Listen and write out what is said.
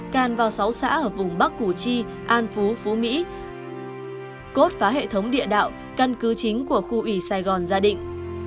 càn vào sáu xã ở vùng bắc củ chi an phú phú mỹ cốt phá hệ thống địa đạo căn cứ chính của khu ủy sài gòn gia định